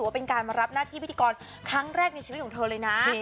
ว่าเป็นการมารับหน้าที่พิธีกรครั้งแรกในชีวิตของเธอเลยนะ